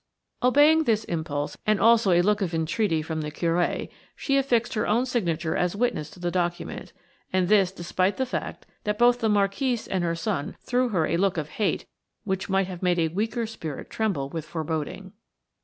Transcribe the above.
Obeying this impulse, and also a look of entreaty from the Curé, she affixed her own signature as witness to the document, and this despite the fact that both the Marquise and her son threw her a look of hate which might have made a weaker spirit tremble with foreboding.